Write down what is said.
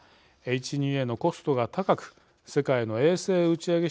Ｈ２Ａのコストが高く世界の衛星打ち上げ